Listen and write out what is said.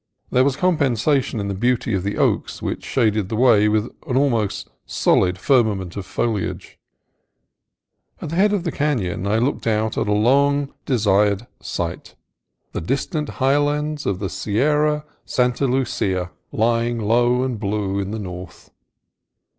There was compensation in the beauty of the oaks, which shaded the way with an almost solid firmament of foliage. At the head of the canon I looked out upon a long desired sight, — the distant highlands of the Sierra Santa Lucia, ly i 3 2 CALIFORNIA COAST TRAILS ing low and blue in the north.